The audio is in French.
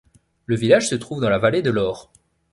Le village se trouve dans la vallée de l'Aure.